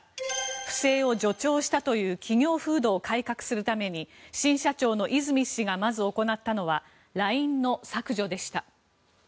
不正を助長したという企業風土を改革するために新社長の和泉氏がまず行ったのはＬＩＮＥの削除でした。